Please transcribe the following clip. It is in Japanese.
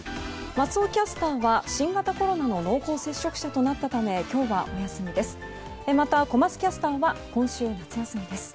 松尾キャスターは新型コロナの濃厚接触者となったため今日はお休みです。